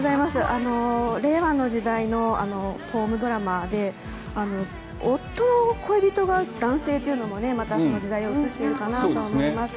令和の時代のホームドラマで夫の恋人が男性というのもまた時代を映しているかなと思います。